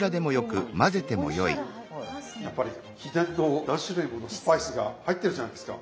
やっぱり秘伝の何種類ものスパイスが入ってるじゃないですか。